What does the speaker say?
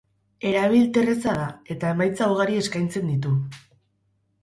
Erabilterreza da eta emaitza ugari esakaintzen ditu.